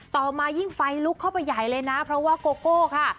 ต่อมายิ่งไฟลุกเข้าไปใหญ่เลยนะเพราะว่าโกโก้ค่ะ